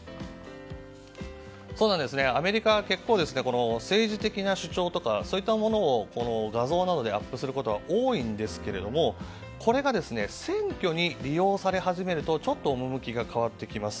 アメリカは結構政治的な主張とかそういったものを画像などでアップすることが多いんですけれどもこれが選挙に利用され始めるとちょっと趣が変わってきます。